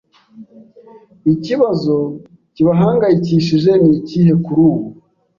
ikibazo kibahangayikishije nikihe kurubu